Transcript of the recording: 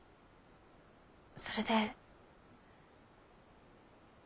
それで。